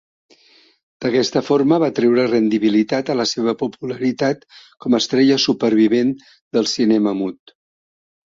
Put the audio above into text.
D'aquesta forma va treure rendibilitat a la seva popularitat com estrella supervivent del cinema mut.